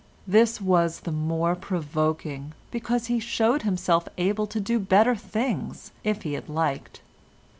This was the more provoking because he showed himself able to do better things if he had liked.